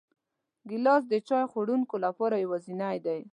ګیلاس د چای خوړونکو لپاره یوازینی دی.